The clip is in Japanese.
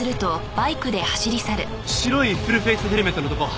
白いフルフェイスヘルメットの男。